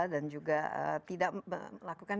dan juga tidak melakukan